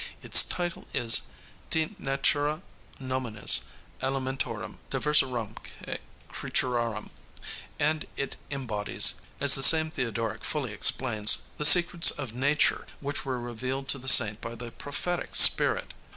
Its title is De Natura Nominis Elementorum Diversarumque Creaturarum, and it embodies, as the same Theodoric fully explains, the secrets of nature which were revealed to the saint by the prophetic spirit.